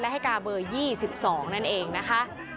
ให้กาเบอร์๒๒นั่นเองนะคะ